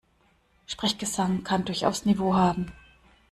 Sprechgesang kann durchaus Niveau haben.